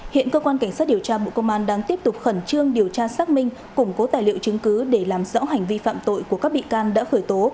hiện cơ quan cảnh sát điều tra bộ công an đang tiếp tục khẩn trương điều tra xác minh củng cố tài liệu chứng cứ để làm rõ hành vi phạm tội của các bị can đã khởi tố